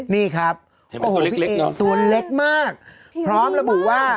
นี่ครับพี่เอตัวเล็กมากพร้อมแล้วบอกว่า